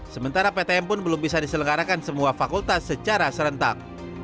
sementara ptm pun belum bisa diselenggarakan semua fakultas secara serentak